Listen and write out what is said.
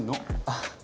あっ。